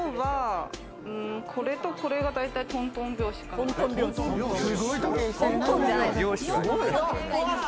これとこれが大体トントン拍子かな。